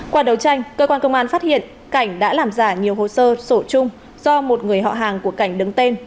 qua đấu tranh cơ quan công an phát hiện cảnh đã làm giả nhiều hồ sơ sổ chung do một người họ hàng của cảnh đứng tên